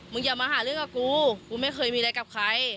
อย่ามาหาเรื่องกับกูกูไม่เคยมีอะไรกับใคร